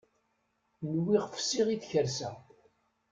Nwiɣ fsiɣ i tkersa.